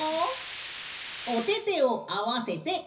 おててをあわせて。